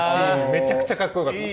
めちゃくちゃかっこよかった。